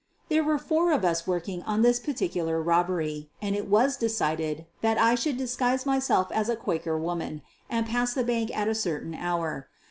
There were four of us working on this particular robbery, and it was decided that I should disguise myself as a Quaker woman and pass the bank at a certain hour.